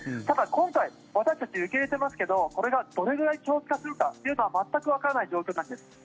ただ、今回私たち、受け入れてますけどこれがどれくらい長期化するかというのは全くわからない状況なんです。